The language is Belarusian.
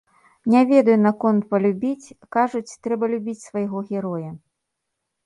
Не ведаю наконт палюбіць, кажуць, трэба любіць свайго героя.